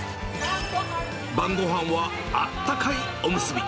晩ごはんはあったかいおむすび。